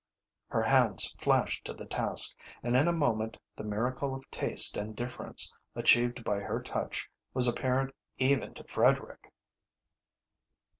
Her hands flashed to the task, and in a moment the miracle of taste and difference achieved by her touch was apparent even to Frederick.